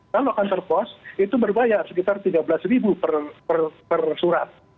kalau kantor pos itu berbayar sekitar tiga belas ribu per surat